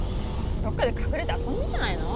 どっかで隠れて遊んでんじゃないの？